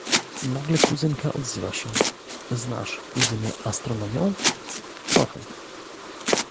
"Nagle kuzynka odzywa się: „Znasz, kuzynie, astronomią?“ Trochę."